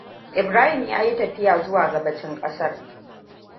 Ibrahim ya yi tafiya zuwa gabacin ƙasar.